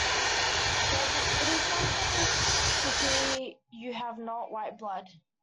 Though it is something to see you have not white blood.